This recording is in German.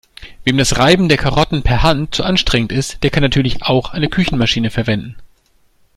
Wem das Reiben der Karotten per Hand zu anstrengend ist, der kann natürlich auch eine Küchenmaschine verwenden.